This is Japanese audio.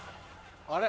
あれ。